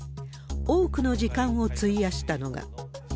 多くの時間を費やしたのが。